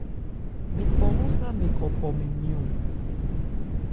Mɛn pɔ hɔ́n sá mɛn khɔ̀ pɔ mɛn nmyɔn.